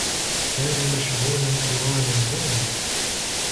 كان مشغولاً طوال اليوم.